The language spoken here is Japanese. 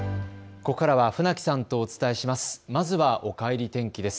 ここからは船木さんとお伝えします。